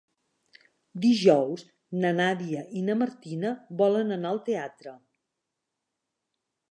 Dijous na Nàdia i na Martina volen anar al teatre.